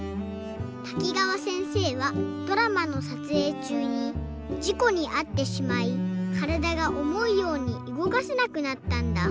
滝川せんせいはドラマのさつえいちゅうにじこにあってしまいからだがおもうようにうごかせなくなったんだ。